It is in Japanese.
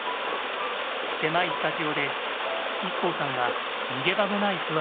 狭いスタジオでＩＫＫＯさんは“逃げ場のない”不安に襲われます。